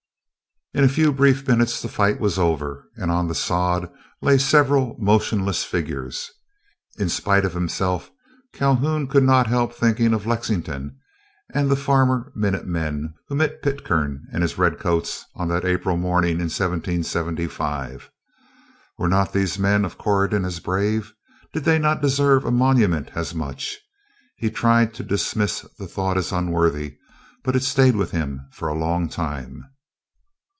In a few brief minutes the fight was over, and on the sod lay several motionless figures. In spite of himself, Calhoun could not help thinking of Lexington and the farmer minute men who met Pitcairn and his red coats on that April morning in 1775. Were not these men of Corydon as brave? Did they not deserve a monument as much? He tried to dismiss the thought as unworthy, but it stayed with him for a long time.